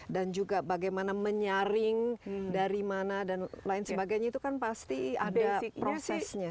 dan juga bagaimana menyaring dari mana dan lain sebagainya itu kan pasti ada prosesnya